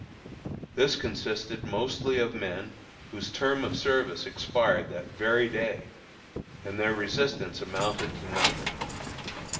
This consisted mostly of men whose term of service expired that very day, and their resistance amounted to nothing.